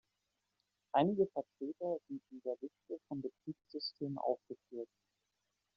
Einige Vertreter sind in der Liste von Betriebssystemen aufgeführt.